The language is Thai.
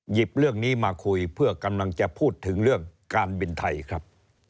เรื่องนี้มาคุยเพื่อกำลังจะพูดถึงเรื่องการบินไทยครับ